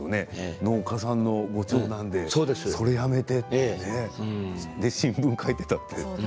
農家さんのご長男でそれをやめて新聞を書いていた。